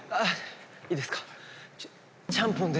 いいですか？